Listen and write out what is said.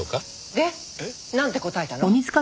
でなんて答えたの？